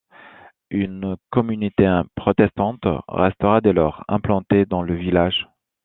Une communauté protestante restera dès lors implantée dans le village.